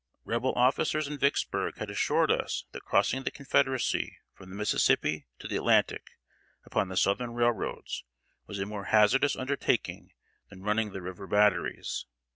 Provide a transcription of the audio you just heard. Rebel officers in Vicksburg had assured us that crossing the Confederacy from the Mississippi to the Atlantic, upon the Southern railroads, was a more hazardous undertaking than running the river batteries.